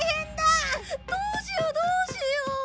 どうしようどうしよう。